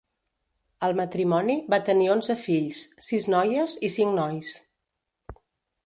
El matrimoni va tenir onze fills, sis noies i cinc nois.